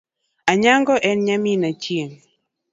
Anyango en nyamin Achieng .